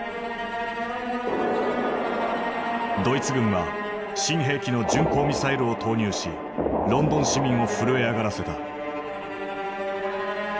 ドイツ軍は新兵器の巡航ミサイルを投入しロンドン市民を震え上がらせた。